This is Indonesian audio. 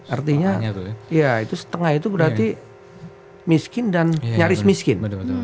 artinya ya itu setengah itu berarti miskin dan nyaris miskin